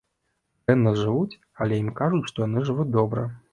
Дрэнна жывуць, але ім кажуць, што яны жывуць добра.